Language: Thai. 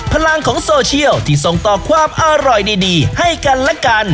พลังของโซเชียลที่ส่งต่อความอร่อยดีให้กันและกัน